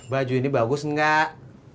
baju ini bagus gak